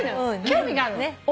興味があるの。